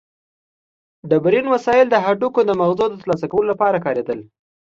ډبرین وسایل د هډوکو د مغزو د ترلاسه کولو لپاره کارېدل.